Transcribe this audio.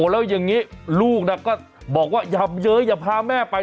แล้วอย่างนี้ลูกก็บอกว่าอย่าเย้ยอย่าพาแม่ไป